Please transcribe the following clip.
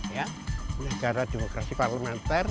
ya negara demokrasi parlementer